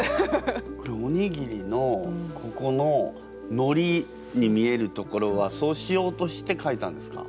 これおにぎりのここののりに見えるところはそうしようとして書いたんですか？